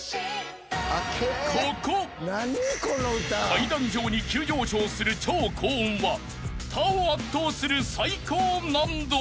［階段状に急上昇する超高音は他を圧倒する最高難度］